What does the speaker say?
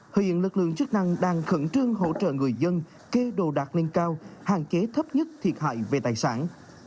hiện lực lượng chức năng đang khẩn trương hỗ trợ người dân kê đồ đạc lên cao hạn chế thấp nhất thiệt hại về tài sản